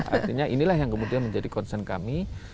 artinya inilah yang kemudian menjadi concern kami